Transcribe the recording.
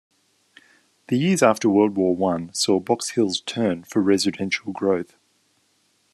The years after the World War One saw Box Hill's turn for residential growth.